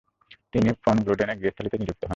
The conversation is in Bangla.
তিনি ফন গ্লোডেনের গৃহস্থালিতে নিযুক্ত হন।